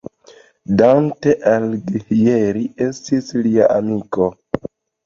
Dante Alighieri estis lia amiko.